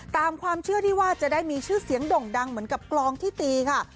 ตามความเชื่อที่ว่าจะได้มีชื่อเสียงด่งดังเหมือนกับกลองที่ตีค่ะ